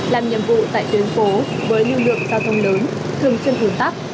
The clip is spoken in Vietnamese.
làm nhiệm vụ tại tuyến phố với lưu lượng giao thông lớn thường trên hồn tắc